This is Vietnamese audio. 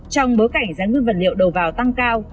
trong bối cảnh giá nguyên vật liệu đầu vào tăng cao